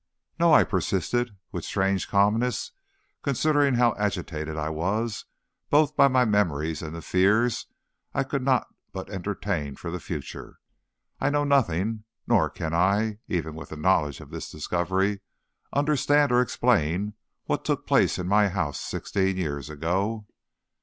"No," I persisted, with a strange calmness, considering how agitated I was, both by my memories and the fears I could not but entertain for the future; "I know nothing; nor can I, even with the knowledge of this discovery, understand or explain what took place in my house sixteen years ago."